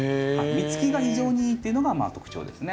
実つきが非常にいいっていうのが特徴ですね。